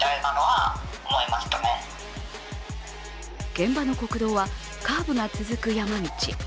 現場の国道はカーブが続く山道。